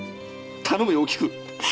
頼むよおきく！